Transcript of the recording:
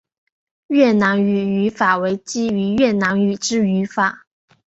越南语语法为基于越南语之语法。